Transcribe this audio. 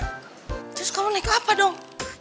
terus kamu naik ke apa dong